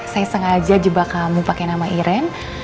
saya sengaja jebak kamu pakai nama iren